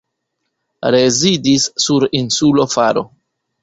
Rezidis sur insulo Faro.